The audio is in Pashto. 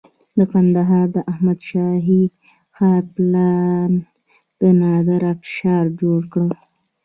د کندهار د احمد شاهي ښار پلان د نادر افشار جوړ کړ